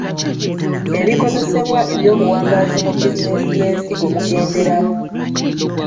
Ebikozesebwa ebyobuwangaazi mu bizinensi y’ensigo mugenderamu.